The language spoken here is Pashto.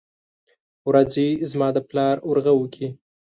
ورځې زما دپلار ورغوو کې